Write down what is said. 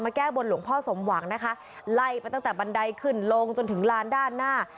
แก้บนหลวงพ่อสมหวังนะคะไล่ไปตั้งแต่บันไดขึ้นลงจนถึงลานด้านหน้า